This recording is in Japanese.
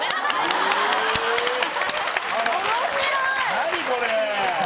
何これ！